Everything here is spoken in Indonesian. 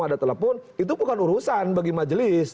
ada telepon itu bukan urusan bagi majelis